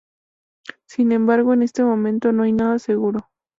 Sin embargo, en este momento, no hay nada seguro.